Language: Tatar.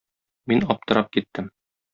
Мин аптырап киттем.